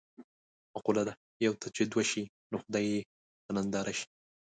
مقوله ده: یوه ته چې دوه شي نو خدای یې په ننداره شي.